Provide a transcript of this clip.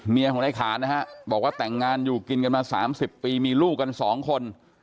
ของในขานนะฮะบอกว่าแต่งงานอยู่กินกันมา๓๐ปีมีลูกกัน๒คน